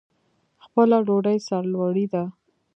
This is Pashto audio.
خپله ډوډۍ سرلوړي ده.